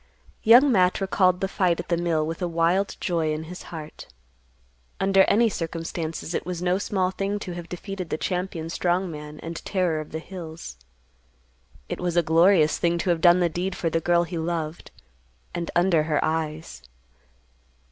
Young Matt recalled the fight at the mill with a wild joy in his heart. Under any circumstances it was no small thing to have defeated the champion strong man and terror of the hills. It was a glorious thing to have done the deed for the girl he loved, and under her eyes.